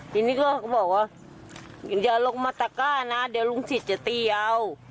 ทีนี้ก็บอกว่าอย่าลงมาตะก้านะเดี๋ยวลุงศิษย์จะตีเอา